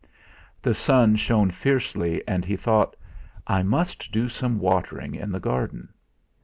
The sun shone fiercely and he thought: '. must do some watering in the garden.'